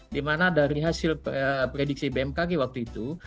dimana dari hasil prediksi bmkg waktu itu